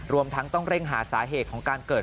รวมทั้งต้องเร่งหาสาเหตุของการเกิด